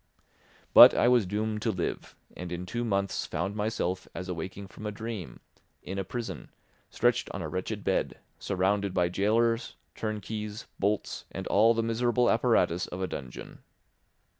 But I was doomed to live and in two months found myself as awaking from a dream, in a prison, stretched on a wretched bed, surrounded by gaolers, turnkeys, bolts, and all the miserable apparatus of a dungeon.